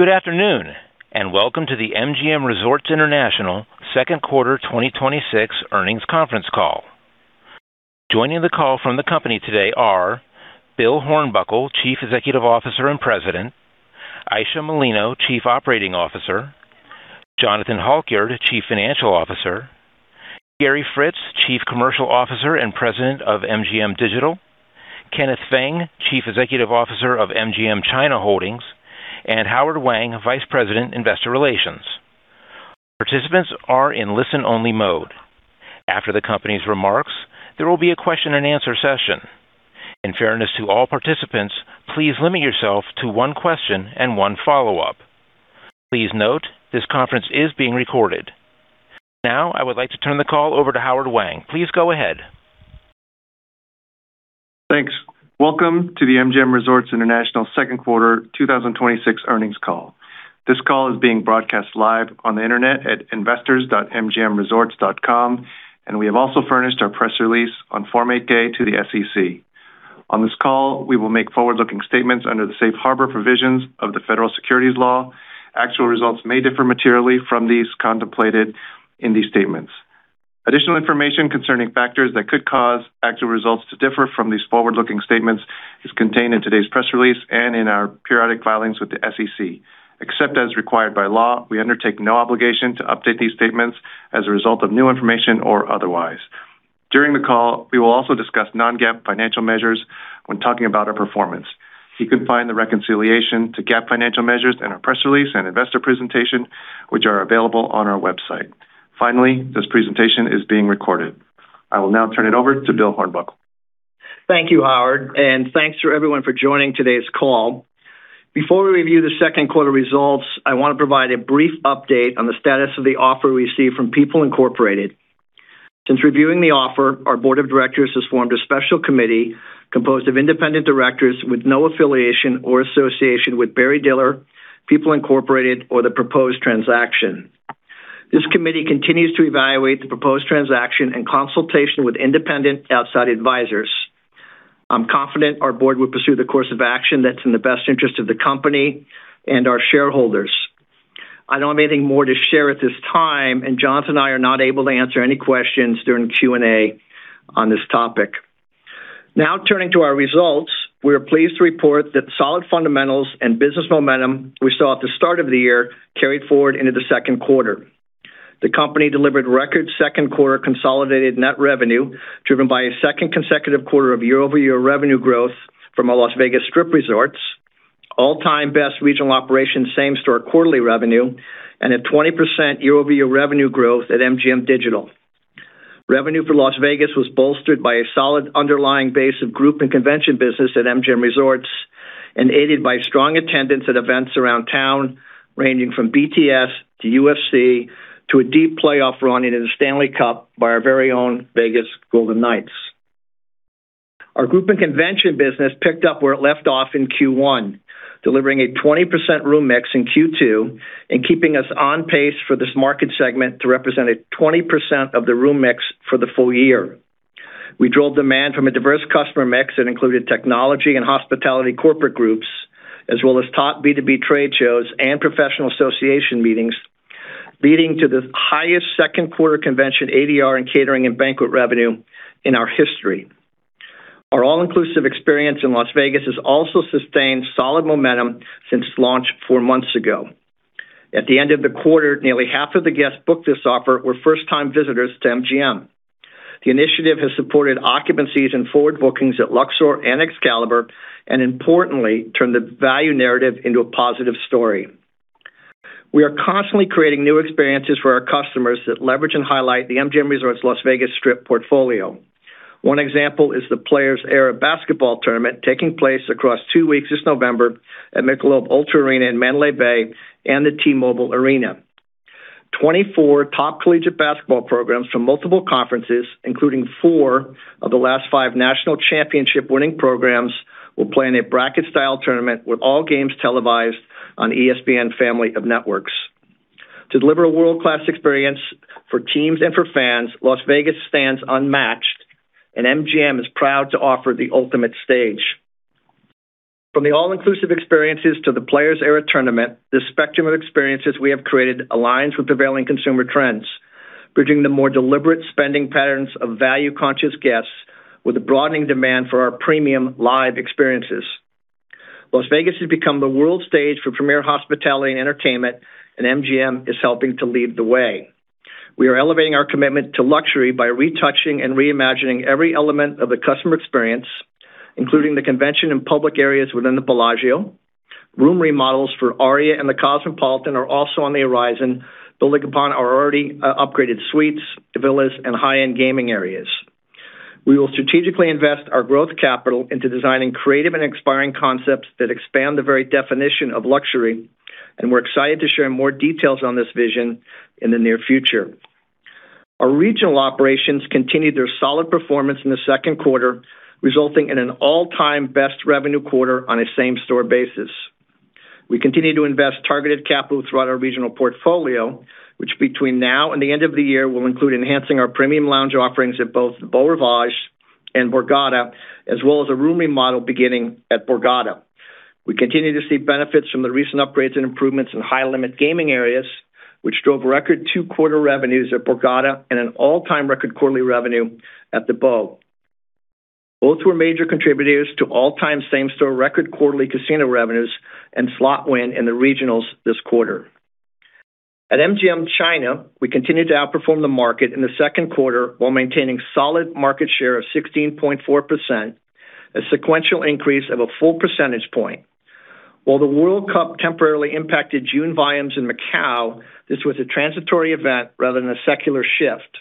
Good afternoon, welcome to the MGM Resorts International second quarter 2026 earnings conference call. Joining the call from the company today are Bill Hornbuckle, Chief Executive Officer and President, Ayesha Molino, Chief Operating Officer, Jonathan Halkyard, Chief Financial Officer, Gary Fritz, Chief Commercial Officer and President of MGM Digital, Kenneth Feng, Chief Executive Officer of MGM China Holdings, and Howard Wang, Vice President, Investor Relations. Participants are in listen-only mode. After the company's remarks, there will be a question-and-answer session. In fairness to all participants, please limit yourself to one question and one follow-up. Please note, this conference is being recorded. Now, I would like to turn the call over to Howard Wang. Please go ahead. Thanks. Welcome to the MGM Resorts International second quarter 2026 earnings call. This call is being broadcast live on the internet at investors.mgmresorts.com, we have also furnished our press release on Form 8-K to the SEC. On this call, we will make forward-looking statements under the Safe Harbor provisions of the Federal Securities Law. Actual results may differ materially from these contemplated in these statements. Additional information concerning factors that could cause actual results to differ from these forward-looking statements is contained in today's press release and in our periodic filings with the SEC. Except as required by law, we undertake no obligation to update these statements as a result of new information or otherwise. During the call, we will also discuss non-GAAP financial measures when talking about our performance. You can find the reconciliation to GAAP financial measures in our press release and investor presentation, which are available on our website. Finally, this presentation is being recorded. I will now turn it over to Bill Hornbuckle. Thank you, Howard, thanks to everyone for joining today's call. Before we review the second quarter results, I want to provide a brief update on the status of the offer we received from People Incorporated. Since reviewing the offer, our board of directors has formed a special committee composed of independent directors with no affiliation or association with Barry Diller, People Incorporated, or the proposed transaction. This committee continues to evaluate the proposed transaction and consultation with independent outside advisors. I'm confident our board will pursue the course of action that's in the best interest of the company and our shareholders. I don't have anything more to share at this time, Jonathan and I are not able to answer any questions during the Q&A on this topic. Now turning to our results, we are pleased to report that the solid fundamentals and business momentum we saw at the start of the year carried forward into the second quarter. The company delivered record second-quarter consolidated net revenue, driven by a second consecutive quarter of year-over-year revenue growth from our Las Vegas Strip resorts, all-time best regional operations same-store quarterly revenue, and a 20% year-over-year revenue growth at MGM Digital. Revenue for Las Vegas was bolstered by a solid underlying base of group and convention business at MGM Resorts and aided by strong attendance at events around town, ranging from BTS to UFC to a deep playoff run into the Stanley Cup by our very own Vegas Golden Knights. Our group and convention business picked up where it left off in Q1, delivering a 20% room mix in Q2 and keeping us on pace for this market segment to represent a 20% of the room mix for the full year. We drove demand from a diverse customer mix that included technology and hospitality corporate groups, as well as top B2B trade shows and professional association meetings, leading to the highest second-quarter convention ADR and catering and banquet revenue in our history. Our all-inclusive experience in Las Vegas has also sustained solid momentum since launch four months ago. At the end of the quarter, nearly half of the guests booked this offer were first-time visitors to MGM. The initiative has supported occupancies and forward bookings at Luxor and Excalibur, and importantly, turned the value narrative into a positive story. We are constantly creating new experiences for our customers that leverage and highlight the MGM Resorts Las Vegas Strip portfolio. One example is the Players Era Basketball Tournament taking place across two weeks this November at Michelob Ultra Arena in Mandalay Bay and the T-Mobile Arena. 24 top collegiate basketball programs from multiple conferences, including four of the last five national championship-winning programs, will play in a bracket-style tournament with all games televised on ESPN family of networks. To deliver a world-class experience for teams and for fans, Las Vegas stands unmatched, and MGM is proud to offer the ultimate stage. From the all-inclusive experiences to the Players Era Tournament, this spectrum of experiences we have created aligns with prevailing consumer trends, bridging the more deliberate spending patterns of value-conscious guests with a broadening demand for our premium live experiences. Las Vegas has become the world stage for premier hospitality and entertainment, and MGM is helping to lead the way. We are elevating our commitment to luxury by retouching and reimagining every element of the customer experience, including the convention and public areas within the Bellagio. Room remodels for Aria and The Cosmopolitan are also on the horizon, building upon our already upgraded suites, villas, and high-end gaming areas. We will strategically invest our growth capital into designing creative and inspiring concepts that expand the very definition of luxury, and we're excited to share more details on this vision in the near future. Our regional operations continued their solid performance in the second quarter, resulting in an all-time best revenue quarter on a same-store basis. We continue to invest targeted capital throughout our regional portfolio, which between now and the end of the year, will include enhancing our premium lounge offerings at both Beau Rivage and Borgata, as well as a room remodel beginning at Borgata. We continue to see benefits from the recent upgrades and improvements in high-limit gaming areas, which drove record two-quarter revenues at Borgata and an all-time record quarterly revenue at the Borgata. Both were major contributors to all-time same-store record quarterly casino revenues and slot win in the regionals this quarter. At MGM China, we continued to outperform the market in the second quarter while maintaining solid market share of 16.4%, a sequential increase of a full percentage point. While the World Cup temporarily impacted June volumes in Macau, this was a transitory event rather than a secular shift.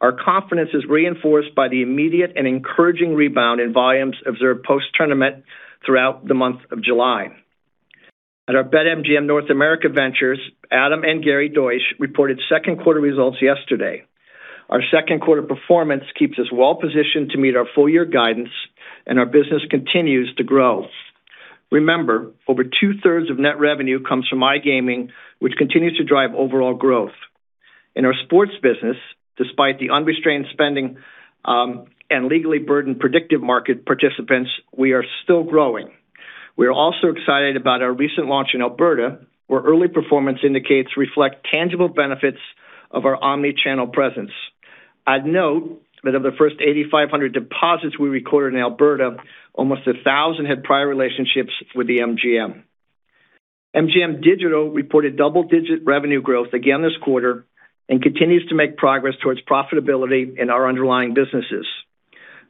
Our confidence is reinforced by the immediate and encouraging rebound in volumes observed post-tournament throughout the month of July. At our BetMGM North America ventures, Adam and Gary Deutsch reported second quarter results yesterday. Our second quarter performance keeps us well-positioned to meet our full-year guidance. Our business continues to grow. Remember, over two-thirds of net revenue comes from iGaming, which continues to drive overall growth. In our sports business, despite the unrestrained spending and legally burdened predictive market participants, we are still growing. We are also excited about our recent launch in Alberta, where early performance indicates reflect tangible benefits of our omni-channel presence. I'd note that of the first 8,500 deposits we recorded in Alberta, almost 1,000 had prior relationships with the MGM. MGM Digital reported double-digit revenue growth again this quarter and continues to make progress towards profitability in our underlying businesses.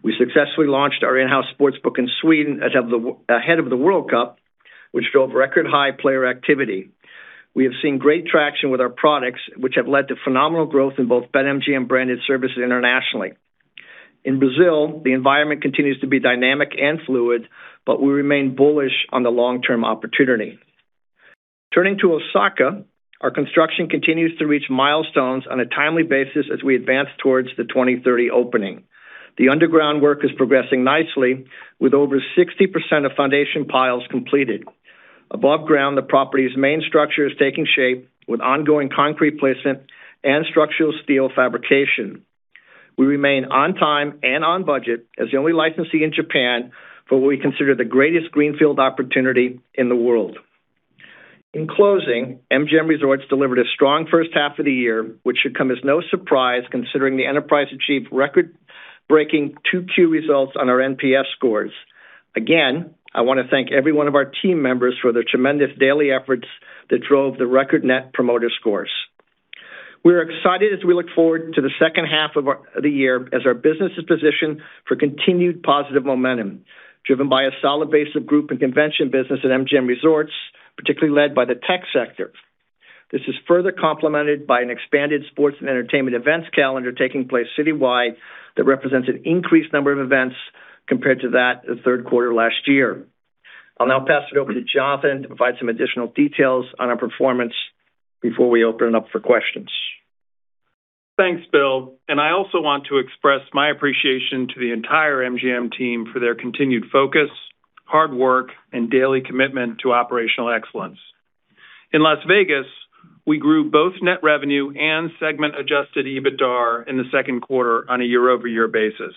We successfully launched our in-house sportsbook in Sweden ahead of the World Cup, which drove record-high player activity. We have seen great traction with our products, which have led to phenomenal growth in both BetMGM-branded services internationally. In Brazil, the environment continues to be dynamic and fluid. We remain bullish on the long-term opportunity. Turning to Osaka, our construction continues to reach milestones on a timely basis as we advance towards the 2030 opening. The underground work is progressing nicely, with over 60% of foundation piles completed. Above ground, the property's main structure is taking shape with ongoing concrete placement and structural steel fabrication. We remain on time and on budget as the only licensee in Japan for what we consider the greatest greenfield opportunity in the world. In closing, MGM Resorts delivered a strong first half of the year, which should come as no surprise considering the enterprise achieved record-breaking 2Q results on our NPS scores. Again, I want to thank every one of our team members for their tremendous daily efforts that drove the record net promoter scores. We're excited as we look forward to the second half of the year as our business is positioned for continued positive momentum, driven by a solid base of group and convention business at MGM Resorts, particularly led by the tech sector. This is further complemented by an expanded sports and entertainment events calendar taking place citywide that represents an increased number of events compared to that of the third quarter last year. I'll now pass it over to Jonathan to provide some additional details on our performance before we open it up for questions. Thanks, Bill. I also want to express my appreciation to the entire MGM team for their continued focus, hard work, and daily commitment to operational excellence. In Las Vegas, we grew both net revenue and segment adjusted EBITDA in the second quarter on a year-over-year basis.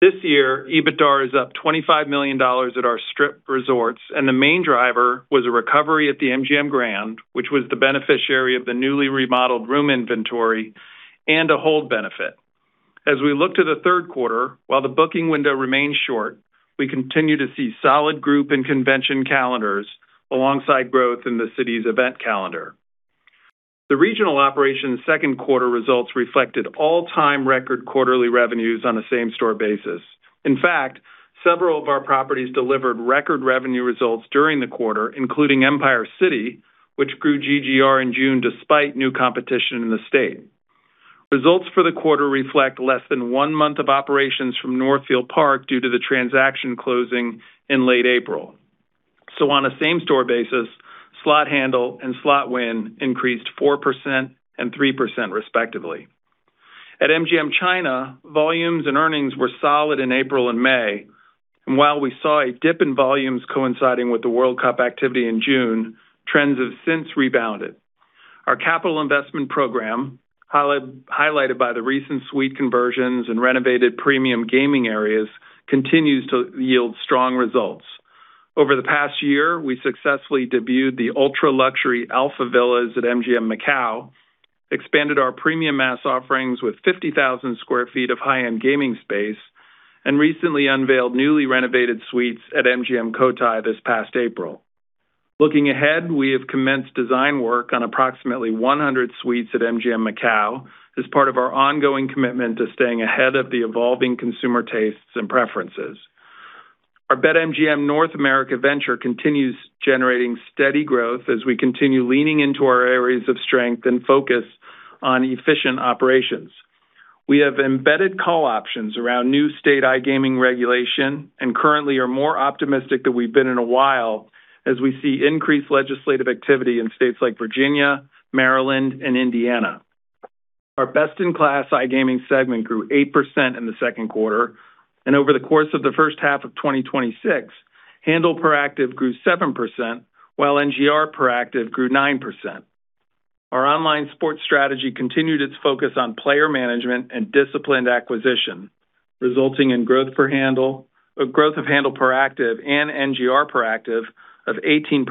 This year, EBITDA is up $25 million at our Strip resorts, and the main driver was a recovery at the MGM Grand, which was the beneficiary of the newly remodeled room inventory and a hold benefit. As we look to the third quarter, while the booking window remains short, we continue to see solid group and convention calendars alongside growth in the city's event calendar. The regional operations second quarter results reflected all-time record quarterly revenues on a same-store basis. In fact, several of our properties delivered record revenue results during the quarter, including Empire City, which grew GGR in June despite new competition in the state. Results for the quarter reflect less than one month of operations from Northfield Park due to the transaction closing in late April. On a same-store basis, slot handle and slot win increased 4% and 3% respectively. At MGM China, volumes and earnings were solid in April and May. While we saw a dip in volumes coinciding with the World Cup activity in June, trends have since rebounded. Our capital investment program, highlighted by the recent suite conversions and renovated premium gaming areas, continues to yield strong results. Over the past year, we successfully debuted the ultra-luxury Alpha Villas at MGM Macau, expanded our premium mass offerings with 50,000 sq ft of high-end gaming space, and recently unveiled newly renovated suites at MGM Cotai this past April. Looking ahead, we have commenced design work on approximately 100 suites at MGM Macau as part of our ongoing commitment to staying ahead of the evolving consumer tastes and preferences. Our BetMGM North America venture continues generating steady growth as we continue leaning into our areas of strength and focus on efficient operations. We have embedded call options around new state iGaming regulation and currently are more optimistic than we've been in a while, as we see increased legislative activity in states like Virginia, Maryland, and Indiana. Our best-in-class iGaming segment grew 8% in the second quarter. Over the course of the first half of 2026, handle per active grew 7%, while NGR per active grew 9%. Our online sports strategy continued its focus on player management and disciplined acquisition, resulting in growth of handle per active and NGR per active of 18%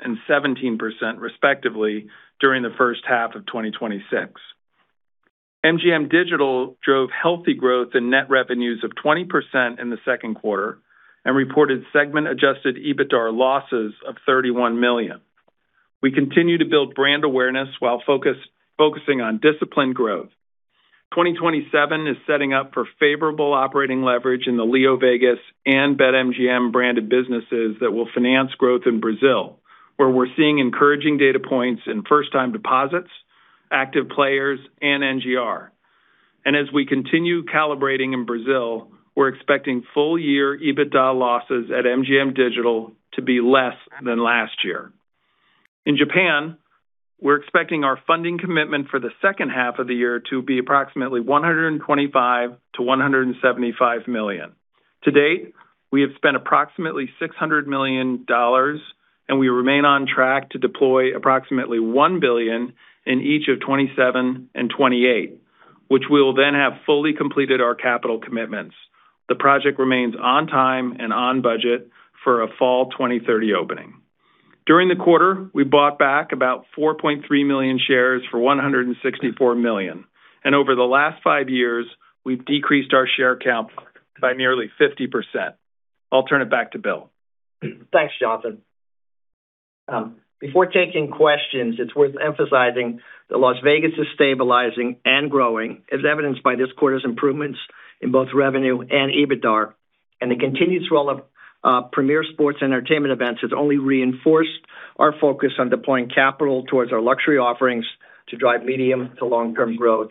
and 17%, respectively, during the first half of 2026. MGM Digital drove healthy growth in net revenues of 20% in the second quarter and reported segment adjusted EBITDA losses of $31 million. We continue to build brand awareness while focusing on disciplined growth. 2027 is setting up for favorable operating leverage in the LeoVegas and BetMGM branded businesses that will finance growth in Brazil, where we're seeing encouraging data points in first-time deposits, active players, and NGR. As we continue calibrating in Brazil, we're expecting full year EBITDA losses at MGM Digital to be less than last year. In Japan, we're expecting our funding commitment for the second half of the year to be approximately $125 million-$175 million. To date, we have spent approximately $600 million, we remain on track to deploy approximately $1 billion in each of 2027 and 2028, which we'll then have fully completed our capital commitments. The project remains on time and on budget for a fall 2030 opening. During the quarter, we bought back about 4.3 million shares for $164 million, over the last five years, we've decreased our share count by nearly 50%. I'll turn it back to Bill. Thanks, Jonathan. Before taking questions, it's worth emphasizing that Las Vegas is stabilizing and growing, as evidenced by this quarter's improvements in both revenue and EBITDA. The continued role of premier sports entertainment events has only reinforced our focus on deploying capital towards our luxury offerings to drive medium to long-term growth.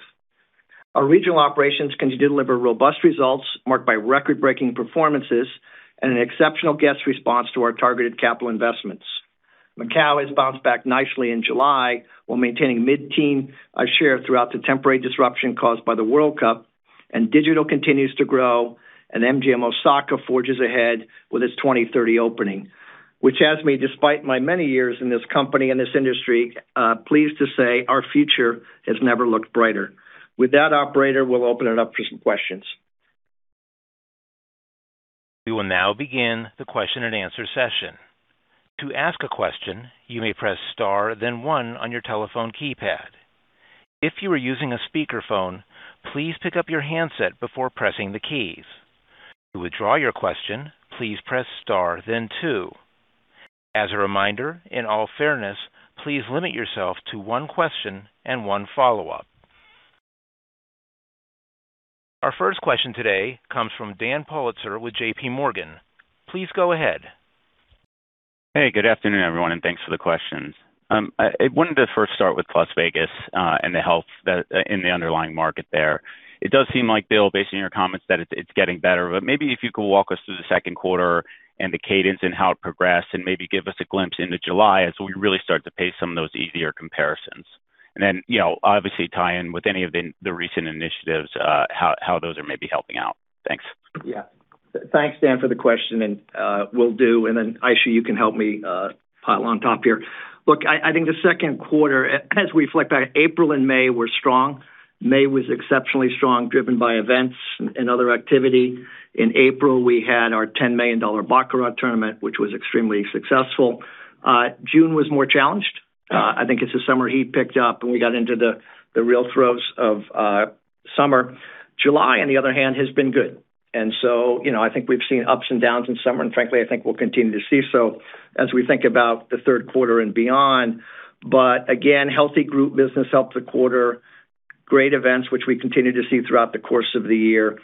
Our regional operations continue to deliver robust results marked by record-breaking performances and an exceptional guest response to our targeted capital investments. Macau has bounced back nicely in July while maintaining mid-teen share throughout the temporary disruption caused by the World Cup, digital continues to grow. MGM Osaka forges ahead with its 2030 opening, which has me, despite my many years in this company and this industry, pleased to say our future has never looked brighter. With that, operator, we'll open it up for some questions. We will now begin the question and answer session. To ask a question, you may press star then one on your telephone keypad. If you are using a speakerphone, please pick up your handset before pressing the keys. To withdraw your question, please press star then two. As a reminder, in all fairness, please limit yourself to one question and one follow-up. Our first question today comes from Dan Politzer with JPMorgan. Please go ahead. Hey, good afternoon, everyone, thanks for the questions. I wanted to first start with Las Vegas and the health in the underlying market there. It does seem like, Bill, based on your comments, that it's getting better, maybe if you could walk us through the second quarter and the cadence and how it progressed, maybe give us a glimpse into July as we really start to pay some of those easier comparisons. Then obviously tie in with any of the recent initiatives, how those are maybe helping out. Thanks. Yeah. Thanks, Dan Politzer, for the question. Will do. Ayesha, you can help me pile on top here. Look, I think the second quarter as we reflect back, April and May were strong. May was exceptionally strong, driven by events and other activity. In April, we had our $10 million baccarat tournament, which was extremely successful. June was more challenged. I think as the summer heat picked up and we got into the real throes of summer. July, on the other hand, has been good. I think we've seen ups and downs in summer, and frankly, I think we'll continue to see so as we think about the third quarter and beyond. Again, healthy group business helped the quarter. Great events, which we continue to see throughout the course of the year.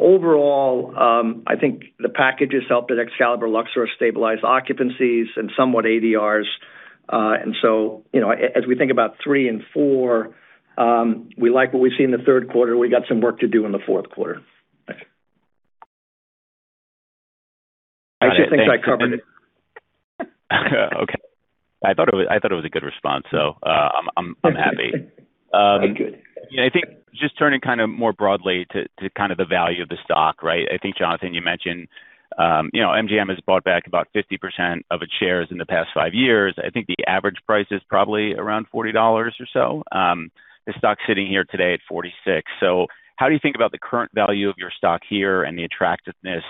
Overall, I think the packages helped at Excalibur, Luxor stabilized occupancies and somewhat ADRs. So, as we think about three and four, we like what we see in the third quarter. We got some work to do in the fourth quarter. Thanks. I just think I covered it. Okay. I thought it was a good response, so I'm happy. Good. I think just turning more broadly to the value of the stock, right? I think, Jonathan, you mentioned MGM has bought back about 50% of its shares in the past five years. I think the average price is probably around $40 or so. The stock's sitting here today at $46. How do you think about the current value of your stock here and the attractiveness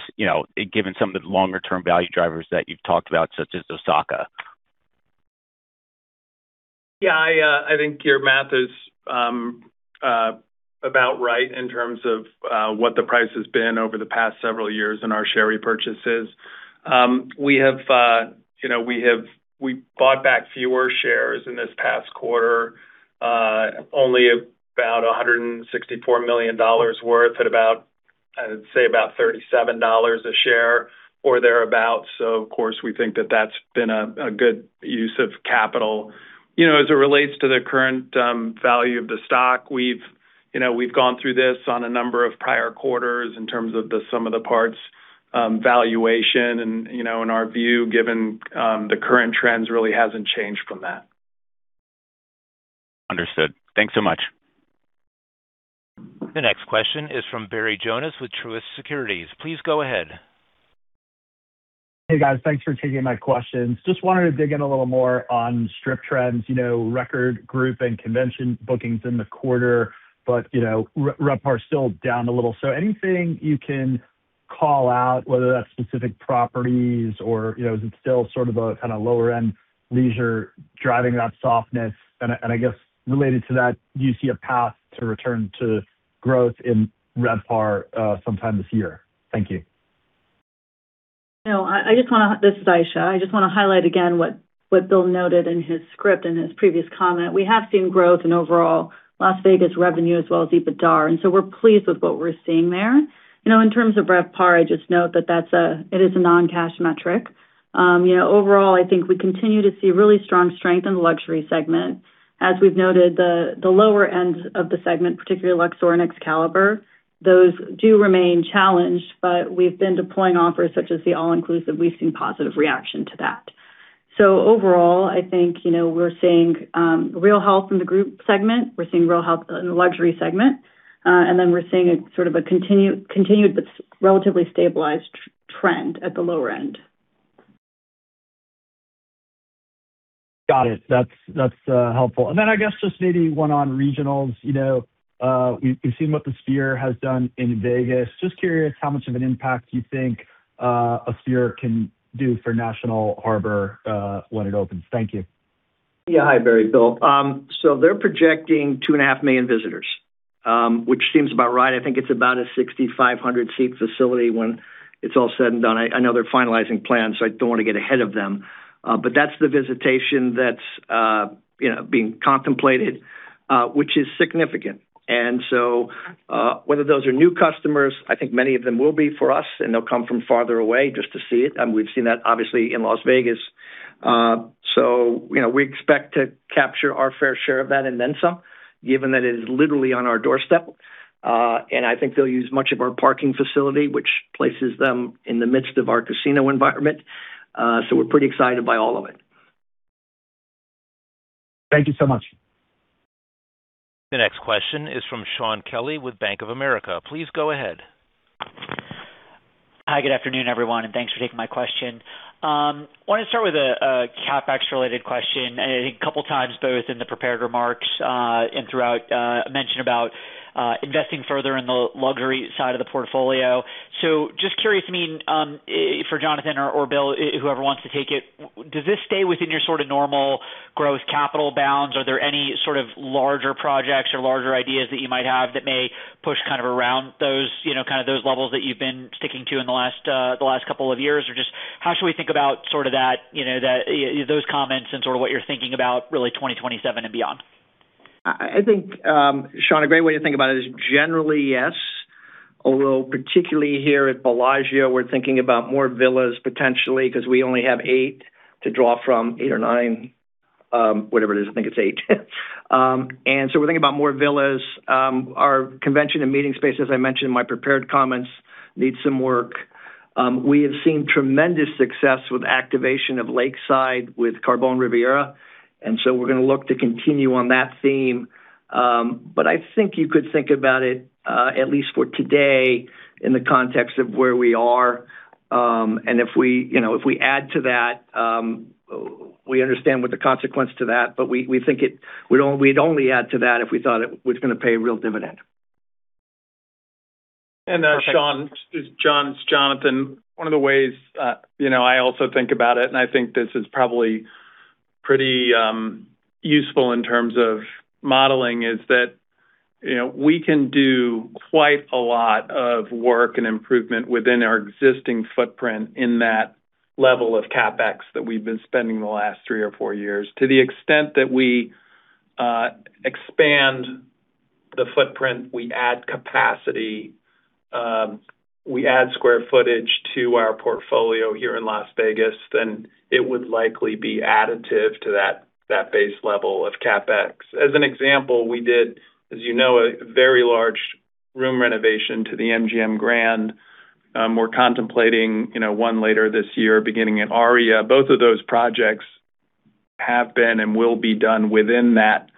given some of the longer-term value drivers that you've talked about, such as Osaka? Yeah, I think your math is about right in terms of what the price has been over the past several years in our share repurchases. We bought back fewer shares in this past quarter, only about $164 million worth at about, I'd say, about $37 a share or thereabout. Of course, we think that that's been a good use of capital. As it relates to the current value of the stock, we've gone through this on a number of prior quarters in terms of the sum of the parts valuation and in our view, given the current trends really hasn't changed from that. Understood. Thanks so much. The next question is from Barry Jonas with Truist Securities. Please go ahead. Hey, guys. Thanks for taking my questions. Wanted to dig in a little more on Strip trends, record group and convention bookings in the quarter. RevPAR is still down a little. Anything you can call out, whether that is specific properties or is it still sort of a kind of lower-end leisure driving that softness? I guess related to that, do you see a path to return to growth in RevPAR sometime this year? Thank you. This is Ayesha. I want to highlight again what Bill noted in his script and his previous comment. We have seen growth in overall Las Vegas revenue as well as EBITDAR. We are pleased with what we are seeing there. In terms of RevPAR, I note that it is a non-cash metric. Overall, I think we continue to see really strong strength in the luxury segment. As we have noted, the lower end of the segment, particularly Luxor and Excalibur, those do remain challenged. We have been deploying offers such as the all-inclusive. We have seen positive reaction to that. Overall, I think we are seeing real health in the group segment. We are seeing real health in the luxury segment. We are seeing a sort of a continued but relatively stabilized trend at the lower end. Got it. That is helpful. I guess maybe one on regionals. We have seen what the Sphere has done in Vegas. Curious how much of an impact you think a Sphere can do for National Harbor when it opens. Thank you. Hi, Barry. Bill. They are projecting 2.5 million visitors, which seems about right. I think it is about a 6,500-seat facility when it is all said and done. I know they are finalizing plans. I do not want to get ahead of them. That is the visitation that is being contemplated, which is significant. Whether those are new customers, I think many of them will be for us, and they will come from farther away just to see it. We have seen that obviously in Las Vegas. We expect to capture our fair share of that and then some, given that it is literally on our doorstep. I think they will use much of our parking facility, which places them in the midst of our casino environment. We are pretty excited by all of it. Thank you so much. The next question is from Shaun Kelley with Bank of America. Please go ahead. Hi, good afternoon, everyone. Thanks for taking my question. I want to start with a CapEx-related question. A couple of times, both in the prepared remarks and throughout, a mention about investing further in the luxury side of the portfolio. Just curious for Jonathan or Bill, whoever wants to take it, does this stay within your sort of normal growth capital bounds? Are there any sort of larger projects or larger ideas that you might have that may push kind of around those levels that you've been sticking to in the last couple of years? Just how should we think about sort of those comments and sort of what you're thinking about really 2027 and beyond? I think, Shaun, a great way to think about it is generally, yes, although particularly here at Bellagio, we're thinking about more villas potentially because we only have eight to draw from, eight or nine, whatever it is. I think it's eight. We're thinking about more villas. Our convention and meeting space, as I mentioned in my prepared comments, needs some work. We have seen tremendous success with activation of Lakeside with CARBONE Riviera, and so we're going to look to continue on that theme. I think you could think about it, at least for today, in the context of where we are. If we add to that, we understand what the consequence to that, but we'd only add to that if we thought it was going to pay real dividend. Shaun, this is Jonathan. One of the ways I also think about it, and I think this is probably pretty useful in terms of modeling, is that we can do quite a lot of work and improvement within our existing footprint in that level of CapEx that we've been spending the last three or four years. To the extent that we expand the footprint, we add capacity, we add square footage to our portfolio here in Las Vegas, then it would likely be additive to that base level of CapEx. As an example, we did, as you know, a very large room renovation to the MGM Grand. We're contemplating one later this year beginning at Aria. Both of those projects have been and will be done within that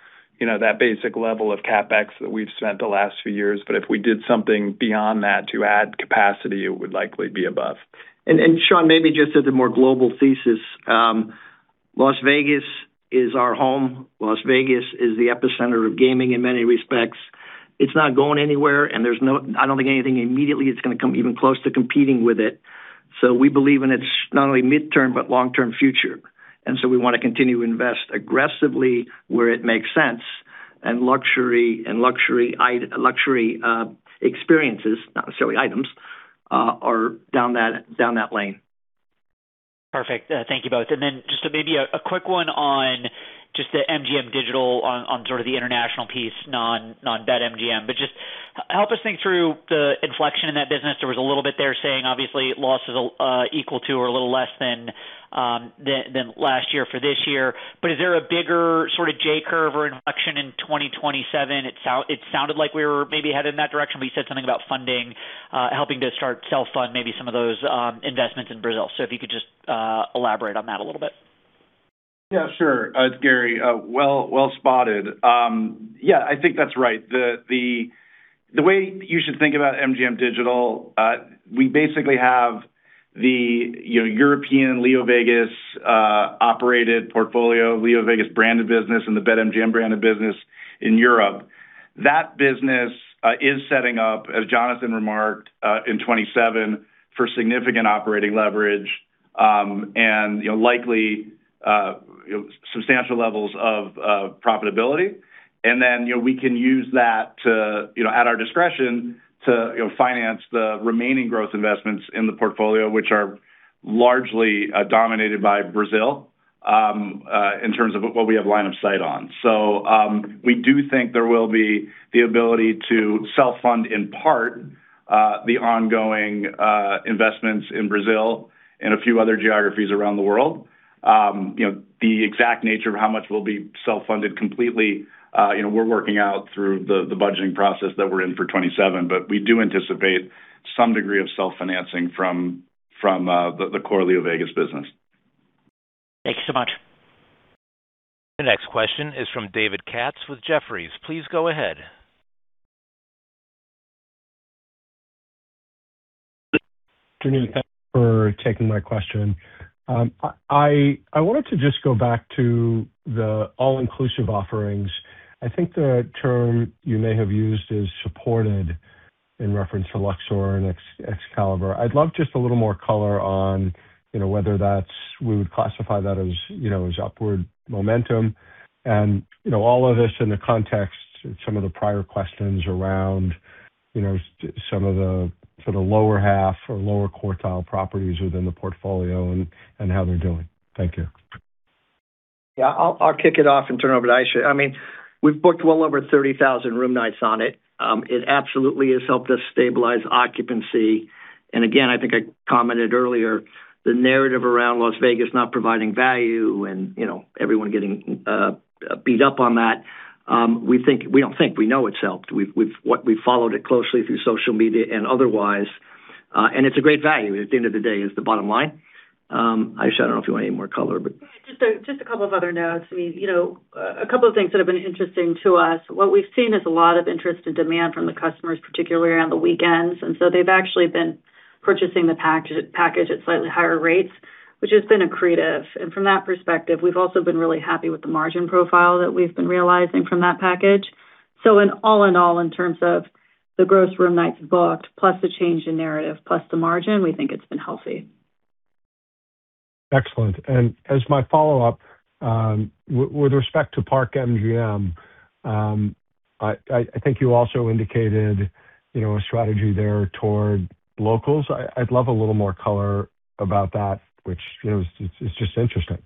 basic level of CapEx that we've spent the last few years. If we did something beyond that to add capacity, it would likely be above. Shaun, maybe just as a more global thesis, Las Vegas is our home. Las Vegas is the epicenter of gaming in many respects. It's not going anywhere, and I don't think anything immediately is going to come even close to competing with it. We believe in its not only midterm, but long-term future. We want to continue to invest aggressively where it makes sense. Luxury experiences, not necessarily items, are down that lane. Perfect. Thank you both. Then just maybe a quick one on just the MGM Digital on sort of the international piece, non-BetMGM. Just help us think through the inflection in that business. There was a little bit there saying obviously losses equal to or a little less than last year for this year. Is there a bigger sort of J-curve or inflection in 2027? It sounded like we were maybe headed in that direction, you said something about funding, helping to start self-fund maybe some of those investments in Brazil. If you could just elaborate on that a little bit. Sure. It's Gary. Well spotted. I think that's right. The way you should think about MGM Digital, we basically have the European LeoVegas operated portfolio, LeoVegas branded business, and the BetMGM branded business in Europe. That business is setting up, as Jonathan remarked, in 2027 for significant operating leverage, and likely substantial levels of profitability. We can use that to, at our discretion to finance the remaining growth investments in the portfolio, which are largely dominated by Brazil, in terms of what we have line of sight on. We do think there will be the ability to self-fund, in part, the ongoing investments in Brazil and a few other geographies around the world. The exact nature of how much will be self-funded completely, we're working out through the budgeting process that we're in for 2027, but we do anticipate some degree of self-financing from the core LeoVegas business. Thank you so much. The next question is from David Katz with Jefferies. Please go ahead. Good afternoon. Thank you for taking my question. I wanted to just go back to the all-inclusive offerings. I think the term you may have used is supported in reference to Luxor and Excalibur. I'd love just a little more color on whether we would classify that as upward momentum and all of this in the context of some of the prior questions around some of the lower half or lower quartile properties within the portfolio and how they're doing. Thank you. Yeah, I'll kick it off and turn it over to Ayesha. We've booked well over 30,000 room nights on it. It absolutely has helped us stabilize occupancy. Again, I think I commented earlier, the narrative around Las Vegas not providing value and everyone getting beat up on that, we know it's helped. We've followed it closely through social media and otherwise. It's a great value, at the end of the day, is the bottom line. Ayesha, I don't know if you want any more color, but Just a couple of other notes. A couple of things that have been interesting to us. What we've seen is a lot of interest and demand from the customers, particularly on the weekends. They've actually been purchasing the package at slightly higher rates, which has been accretive. From that perspective, we've also been really happy with the margin profile that we've been realizing from that package. All in all, in terms of the gross room nights booked, plus the change in narrative, plus the margin, we think it's been healthy. Excellent. As my follow-up, with respect to Park MGM, I think you also indicated a strategy there toward locals. I'd love a little more color about that, which is just interesting.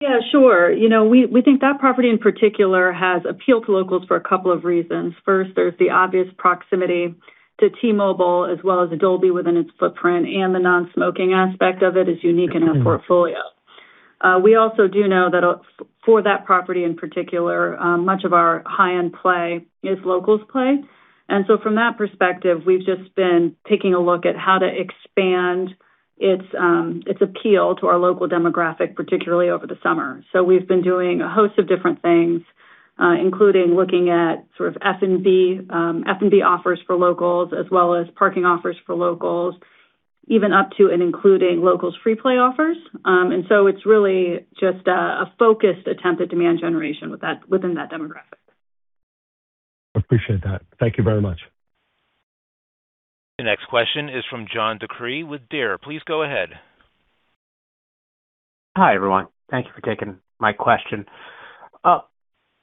Yeah, sure. We think that property in particular has appeal to locals for a couple of reasons. First, there's the obvious proximity to T-Mobile, as well as Dolby within its footprint, and the non-smoking aspect of it is unique in our portfolio. We also do know that for that property in particular, much of our high-end play is locals play. From that perspective, we've just been taking a look at how to expand its appeal to our local demographic, particularly over the summer. We've been doing a host of different things, including looking at F&B offers for locals, as well as parking offers for locals, even up to and including locals free play offers. It's really just a focused attempt at demand generation within that demographic. Appreciate that. Thank you very much. The next question is from John DeCree with CBRE. Please go ahead. Hi, everyone. Thank you for taking my question.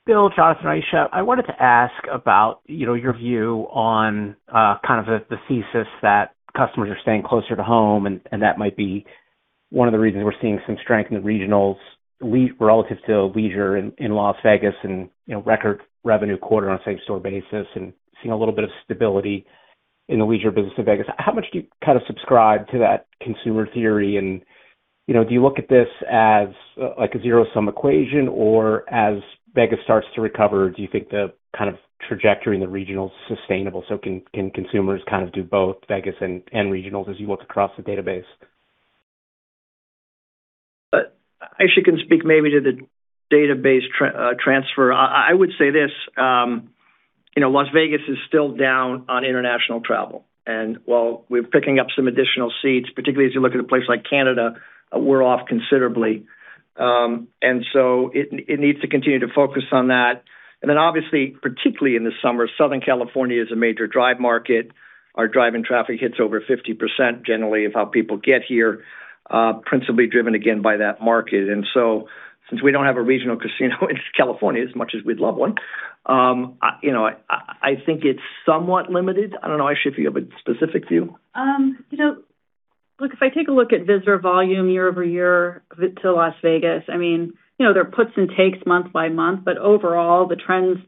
Bill, Jonathan, Ayesha, I wanted to ask about your view on kind of the thesis that customers are staying closer to home, and that might be one of the reasons we're seeing some strength in the regionals relative to leisure in Las Vegas and record revenue quarter on same store basis and seeing a little bit of stability in the leisure business in Vegas. How much do you kind of subscribe to that consumer theory, and do you look at this as a zero-sum equation or as Vegas starts to recover, do you think the kind of trajectory in the regional is sustainable, so can consumers kind of do both Vegas and regionals as you look across the database? Ayesha can speak maybe to the database transfer. I would say this. Las Vegas is still down on international travel, while we're picking up some additional seats, particularly as you look at a place like Canada, we're off considerably. It needs to continue to focus on that. Obviously, particularly in the summer, Southern California is a major drive market. Our drive-in traffic hits over 50%, generally, of how people get here, principally driven again by that market. Since we don't have a regional casino in California, as much as we'd love one, I think it's somewhat limited. I don't know, Ayesha, if you have a specific view. Look, if I take a look at visitor volume year-over-year to Las Vegas, there are puts and takes month by month, but overall,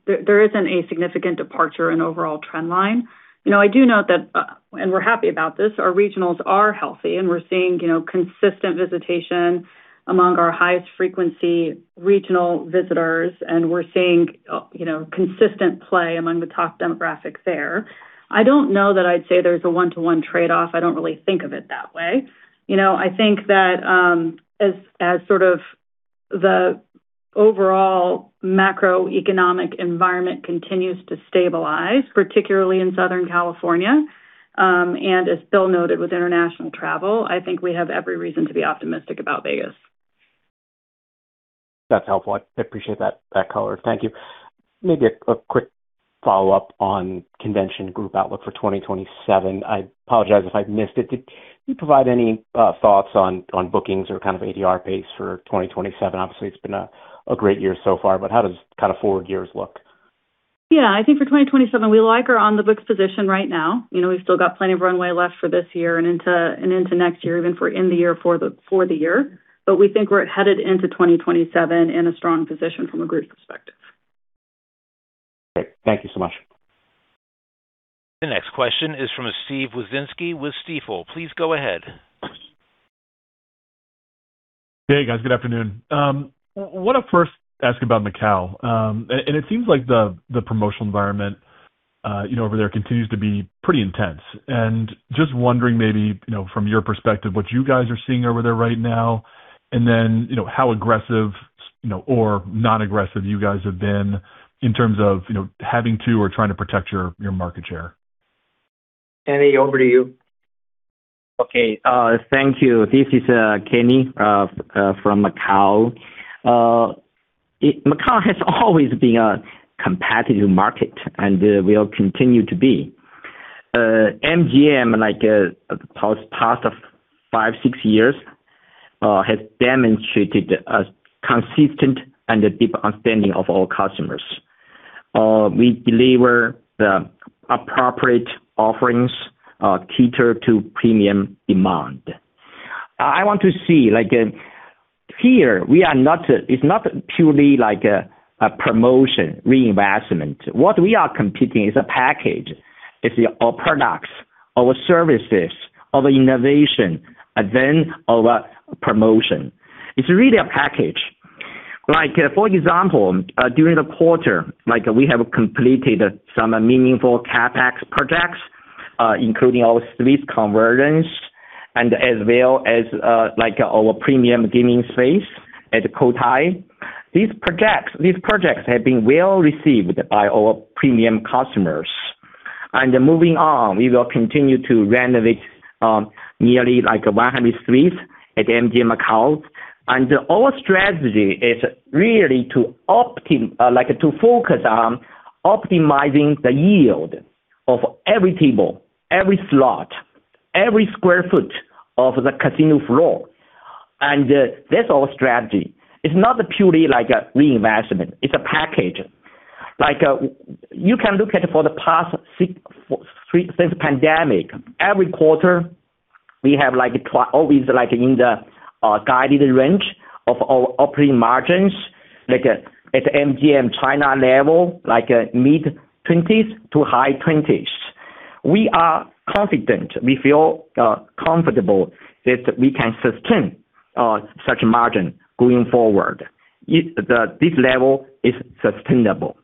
there isn't a significant departure in overall trend line. I do note that, and we're happy about this, our regionals are healthy, and we're seeing consistent visitation among our highest frequency regional visitors, and we're seeing consistent play among the top demographics there. I don't know that I'd say there's a one-to-one trade-off. I don't really think of it that way. I think that as the overall macroeconomic environment continues to stabilize, particularly in Southern California. As Bill noted with international travel, I think we have every reason to be optimistic about Vegas. That's helpful. I appreciate that color. Thank you. Maybe a quick follow-up on convention group outlook for 2027. I apologize if I missed it. Did you provide any thoughts on bookings or kind of ADR pace for 2027? Obviously, it's been a great year so far, but how does kind of forward years look? Yeah, I think for 2027, we like our on-the-books position right now. We've still got plenty of runway left for this year and into next year, even for in the year for the year. We think we're headed into 2027 in a strong position from a group perspective. Great. Thank you so much. The next question is from Steven Wieczynski with Stifel. Please go ahead. Hey, guys. Good afternoon. I want to first ask about Macau. It seems like the promotional environment over there continues to be pretty intense. Just wondering maybe, from your perspective, what you guys are seeing over there right now, and then how aggressive or non-aggressive you guys have been in terms of having to or trying to protect your market share. Kenny, over to you. Okay. Thank you. This is Kenny from Macau. Macau has always been a competitive market and will continue to be. MGM, like past five, six years, has demonstrated a consistent and a deep understanding of all customers. We deliver the appropriate offerings catered to premium demand. I want to see, here it's not purely a promotion reinvestment. What we are competing is a package. It's our products, our services, our innovation, and then our promotion. It's really a package. For example, during the quarter, we have completed some meaningful CapEx projects, including our suites conversions and as well as our premium gaming space at the Cotai. These projects have been well-received by our premium customers. Moving on, we will continue to renovate nearly 100 suites at MGM Macau. Our strategy is really to focus on optimizing the yield of every table, every slot, every square foot of the casino floor. That's our strategy. It's not purely a reinvestment, it's a package. You can look at for the past three, since pandemic, every quarter, we have always in the guided range of our operating margins at MGM China level, mid-20s to high-20s. We are confident, we feel comfortable that we can sustain such margin going forward. This level is sustainable.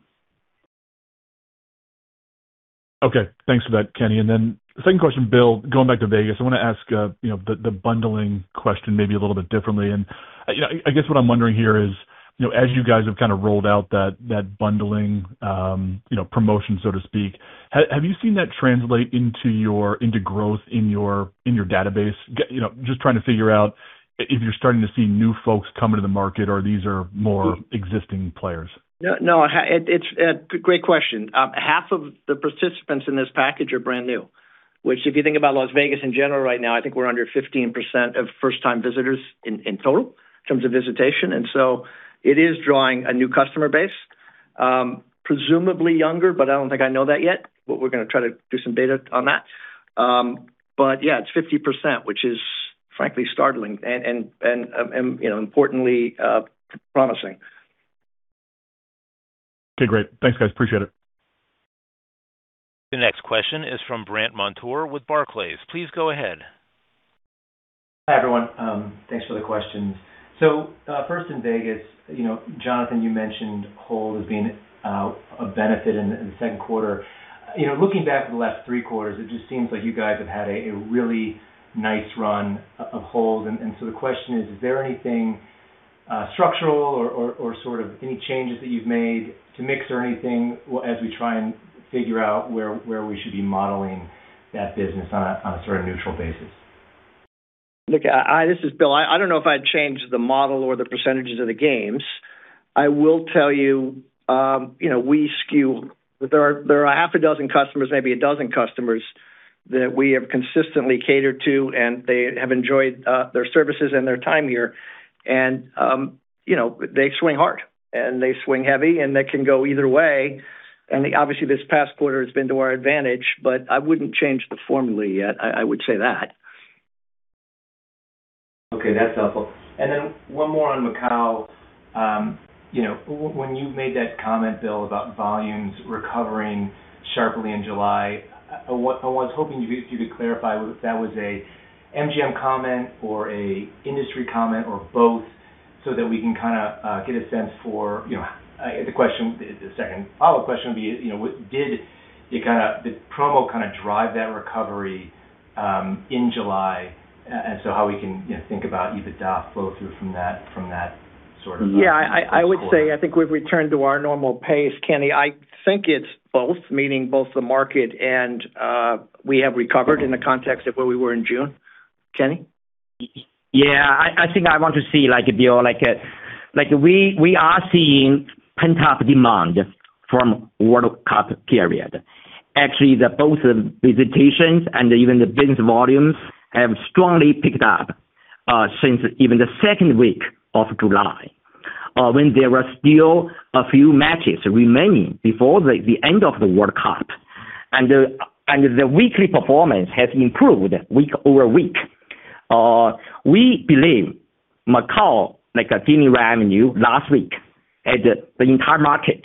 Okay. Thanks for that, Kenny. Second question, Bill, going back to Vegas, I want to ask the bundling question maybe a little bit differently. I guess what I'm wondering here is, as you guys have kind of rolled out that bundling promotion, so to speak, have you seen that translate into growth in your database? Just trying to figure out if you're starting to see new folks come into the market, or these are more existing players. No, great question. Half of the participants in this package are brand new, which if you think about Las Vegas in general right now, I think we're under 15% of first-time visitors in total in terms of visitation. So it is drawing a new customer base, presumably younger, I don't think I know that yet, but we're going to try to do some data on that. Yeah, it's 50%, which is frankly startling and importantly, promising. Okay, great. Thanks, guys. Appreciate it. The next question is from Brandt Montour with Barclays. Please go ahead. Hi, everyone. Thanks for the questions. First in Vegas, Jonathan, you mentioned hold as being a benefit in the second quarter. Looking back at the last three quarters, it just seems like you guys have had a really nice run of hold. The question is there anything structural or sort of any changes that you've made to mix or anything as we try and figure out where we should be modeling that business on a sort of neutral basis? Brandt, this is Bill. I don't know if I'd change the model or the percentages of the games. I will tell you, we skew. There are half a dozen customers, maybe a dozen customers that we have consistently catered to, and they have enjoyed their services and their time here and they swing hard and they swing heavy, and that can go either way. Obviously, this past quarter has been to our advantage, I wouldn't change the formula yet, I would say that. Okay, that's helpful. One more on Macau. When you made that comment, Bill, about volumes recovering sharply in July, I was hoping you could clarify if that was an MGM comment or an industry comment or both, so that we can kind of get a sense for. The second follow-up question would be, did promo kind of drive that recovery in July? How we can think about EBITDA flow through from that sort of first quarter? Yeah, I would say, I think we've returned to our normal pace, Kenny. I think it's both, meaning both the market and we have recovered in the context of where we were in June. Kenny. Yeah, I think I want to see, Bill, we are seeing pent-up demand from World Cup period. Actually, both the visitations and even the business volumes have strongly picked up since even the second week of July, when there were still a few matches remaining before the end of the World Cup. The weekly performance has improved week-over-week. We believe Macau gaming revenue last week, the entire market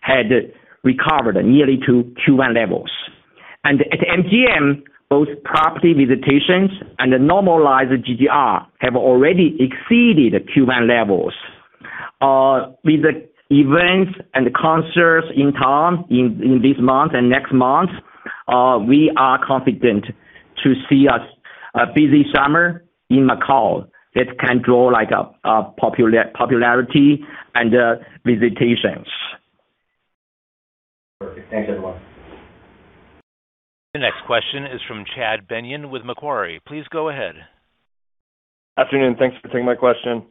had recovered nearly to Q1 levels. At MGM, both property visitations and the normalized GGR have already exceeded Q1 levels. With the events and concerts in town in this month and next month, we are confident to see a busy summer in Macau that can draw popularity and visitations. Perfect. Thanks, everyone. The next question is from Chad Beynon with Macquarie. Please go ahead. Afternoon, thanks for taking my question.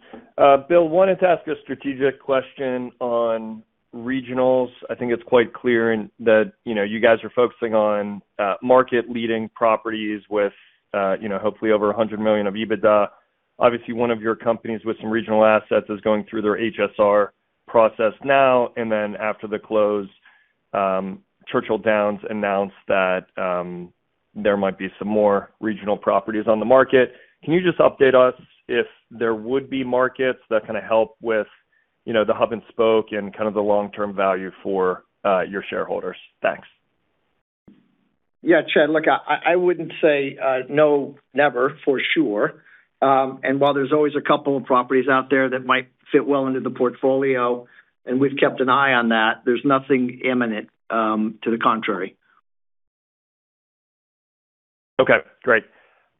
Bill, wanted to ask a strategic question on regionals. I think it is quite clear that you guys are focusing on market-leading properties with, hopefully, over $100 million of EBITDA. Obviously, one of your companies with some regional assets is going through their HSR process now, and then after the close, Churchill Downs announced that there might be some more regional properties on the market. Can you just update us if there would be markets that help with the hub and spoke and the long-term value for your shareholders? Thanks. Yeah, Chad, look, I wouldn't say no, never, for sure. While there is always a couple of properties out there that might fit well into the portfolio, and we've kept an eye on that, there is nothing imminent to the contrary. Okay, great.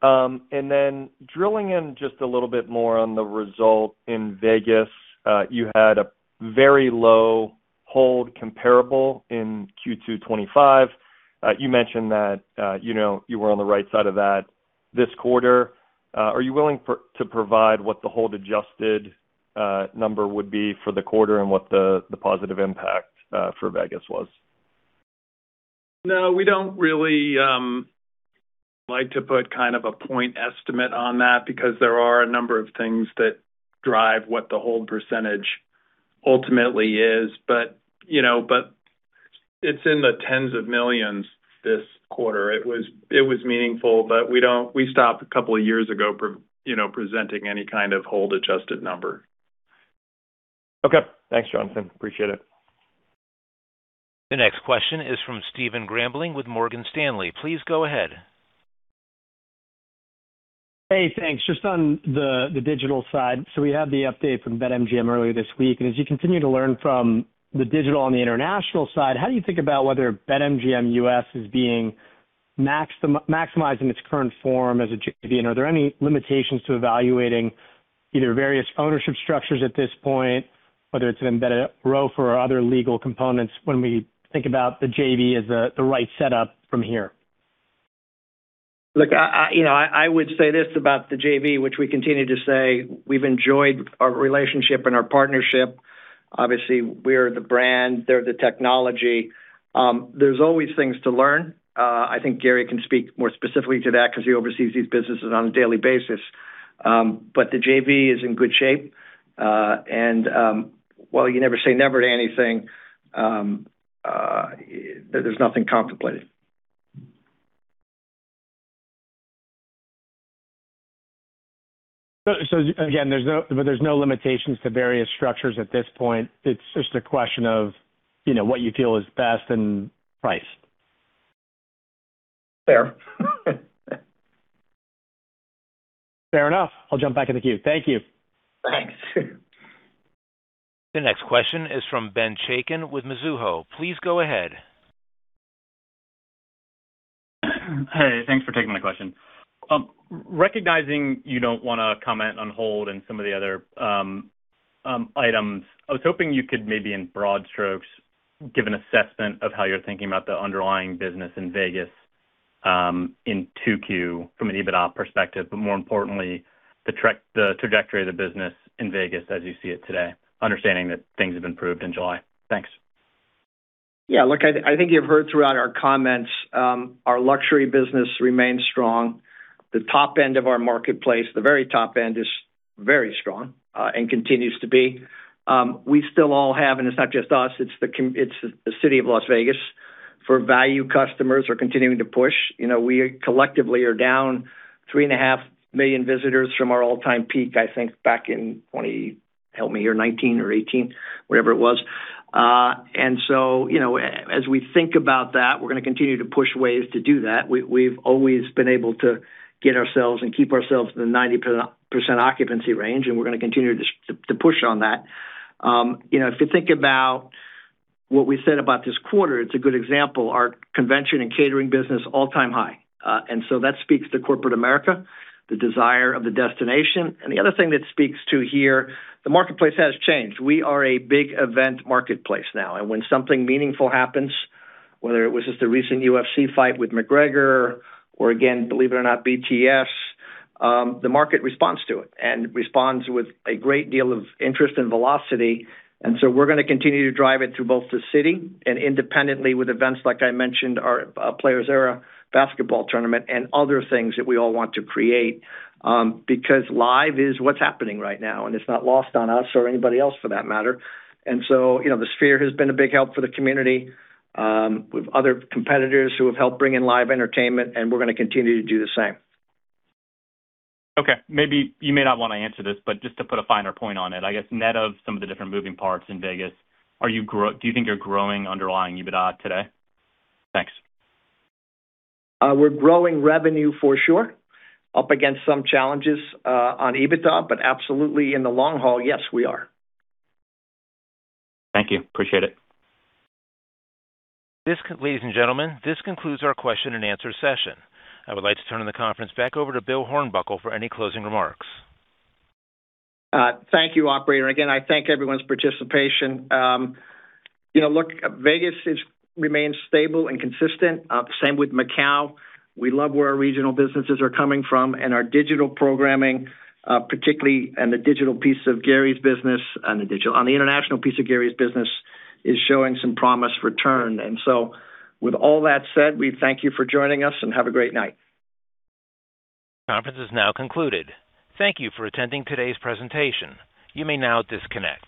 Then drilling in just a little bit more on the result in Vegas, you had a very low hold comparable in Q2 2025. You mentioned that you were on the right side of that this quarter. Are you willing to provide what the hold adjusted number would be for the quarter and what the positive impact for Vegas was? We don't really like to put a point estimate on that because there are a number of things that drive what the hold percentage ultimately is. It's in the tens of millions this quarter. It was meaningful, but we stopped a couple of years ago presenting any kind of hold adjusted number. Okay. Thanks, Jonathan. Appreciate it. The next question is from Stephen Grambling with Morgan Stanley. Please go ahead. Hey, thanks. Just on the digital side, we had the update from BetMGM earlier this week. As you continue to learn from the digital on the international side, how do you think about whether BetMGM U.S. is being maximized in its current form as a JV? Are there any limitations to evaluating either various ownership structures at this point, whether it's an embedded ROFO or other legal components when we think about the JV as the right setup from here? Look, I would say this about the JV, which we continue to say, we've enjoyed our relationship and our partnership. Obviously, we're the brand, they're the technology. There's always things to learn. I think Gary can speak more specifically to that because he oversees these businesses on a daily basis. The JV is in good shape. While you never say never to anything, there's nothing contemplated. Again, there's no limitations to various structures at this point. It's just a question of what you feel is best and price. Fair. Fair enough. I'll jump back in the queue. Thank you. Thanks. The next question is from Ben Chaiken with Mizuho. Please go ahead. Hey, thanks for taking my question. Recognizing you don't want to comment on hold and some of the other items, I was hoping you could maybe in broad strokes give an assessment of how you're thinking about the underlying business in Vegas in 2Q from an EBITDA perspective, but more importantly, the trajectory of the business in Vegas as you see it today, understanding that things have improved in July. Thanks. Yeah, look, I think you've heard throughout our comments, our luxury business remains strong. The top end of our marketplace, the very top end, is very strong and continues to be. We still all have, and it's not just us, it's the city of Las Vegas, for value customers are continuing to push. We collectively are down 3.5 million visitors from our all-time peak, I think back in 2020, help me here, 2019 or 2018, whatever it was. As we think about that, we're going to continue to push ways to do that. We've always been able to get ourselves and keep ourselves in the 90% occupancy range, and we're going to continue to push on that. If you think about what we said about this quarter, it's a good example. Our convention and catering business, all-time high. That speaks to corporate America, the desire of the destination. The other thing that speaks to here, the marketplace has changed. We are a big event marketplace now. When something meaningful happens, whether it was just the recent UFC fight with Conor or again, believe it or not, BTS, the market responds to it and responds with a great deal of interest and velocity. We're going to continue to drive it through both the city and independently with events like I mentioned, our Players Era basketball tournament and other things that we all want to create, because live is what's happening right now, and it's not lost on us or anybody else for that matter. The Sphere has been a big help for the community, with other competitors who have helped bring in live entertainment, and we're going to continue to do the same. Okay, maybe you may not want to answer this, just to put a finer point on it. I guess net of some of the different moving parts in Vegas, do you think you're growing underlying EBITDA today? Thanks. We're growing revenue for sure. Up against some challenges on EBITDA, absolutely in the long haul, yes, we are. Thank you. Appreciate it. Ladies and gentlemen, this concludes our question and answer session. I would like to turn the conference back over to Bill Hornbuckle for any closing remarks. Thank you, operator. Again, I thank everyone's participation. Look, Vegas remains stable and consistent. Same with Macau. We love where our regional businesses are coming from and our digital programming, particularly on the international piece of Gary's business, is showing some promising return. With all that said, we thank you for joining us and have a great night. Conference is now concluded. Thank you for attending today's presentation. You may now disconnect.